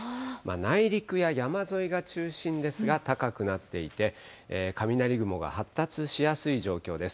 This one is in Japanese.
内陸や山沿いが中心ですが、高くなっていて、雷雲が発達しやすい状況です。